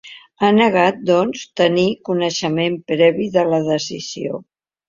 Ha negat, doncs, tenir coneixement previ de la decisió.